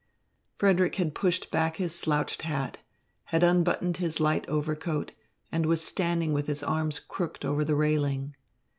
Frederick had pushed back his slouched hat, had unbuttoned his light overcoat, and was standing with his arms crooked over the railing.